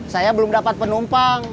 saya belum dapat penumpang